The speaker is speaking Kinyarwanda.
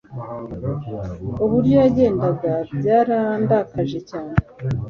Uburyo yandebaga byarandakaje cyane.